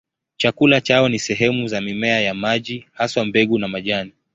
Chakula chao ni sehemu za mimea ya maji, haswa mbegu na majani.